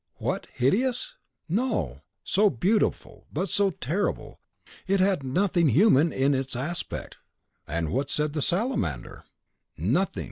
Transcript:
"What! hideous?" "No; so beautiful, but so terrible. It had nothing human in its aspect." "And what said the salamander?" "Nothing!